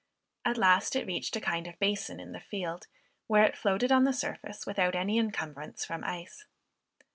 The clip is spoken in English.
At last it reached a kind of basin in the field, where it floated on the surface without any incumbrance from ice.